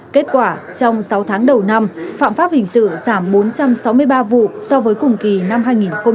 kết quả trong sáu tháng đầu năm phạm pháp hình sự giảm bốn trăm sáu mươi ba vụ so với cùng kỳ năm hai nghìn một mươi chín